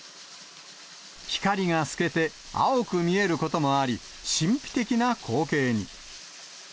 光が透けて青く見えることもあり、神秘的な光景に。